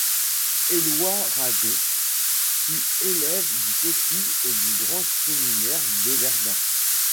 Éloi Ragon fut élève du petit et du grand séminaire de Verdun.